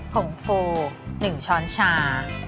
ผงฟู๑ช้อนชา